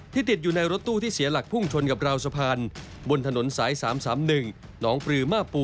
ติดอยู่ในรถตู้ที่เสียหลักพุ่งชนกับราวสะพานบนถนนสาย๓๓๑หนองปลือมาปู